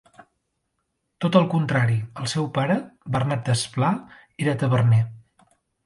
Tot al contrari, el seu pare, Bernat Desplà, era taverner.